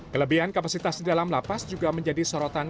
kelebihan kapasitas di dalam lapas juga berubah